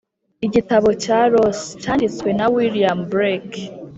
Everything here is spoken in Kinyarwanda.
"igitabo cya los" cyanditswe na william blake